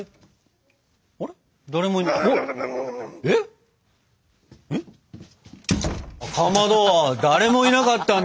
えっ？